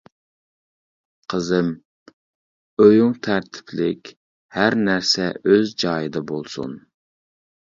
قىزىم، ئۆيۈڭ تەرتىپلىك، ھەر نەرسە ئۆز جايىدا بولسۇن.